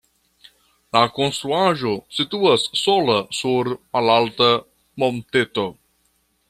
La konstruaĵo situas sola sur malalta monteto.